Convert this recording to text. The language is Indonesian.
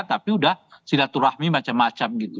tapi udah silaturahmi macam macam gitu